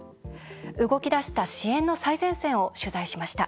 動き出した支援の最前線を取材しました。